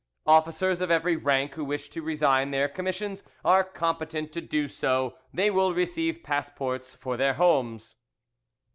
Officers of every rank who wish to resign their commissions are competent to do so. They will receive passports for their homes.